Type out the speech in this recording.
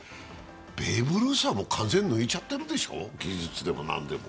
ベーブ・ルースは完全に抜いちゃってるでしょ、技術でも何でも。